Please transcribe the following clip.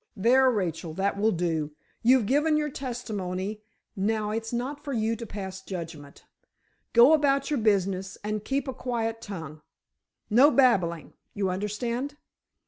"There, Rachel, that will do. You've given your testimony, now it's not for you to pass judgment. Go about your business, and keep a quiet tongue. No babbling—you understand?"